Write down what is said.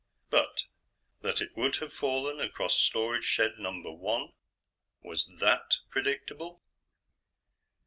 But that it would have fallen across Storage Shed Number One? Was that predictable?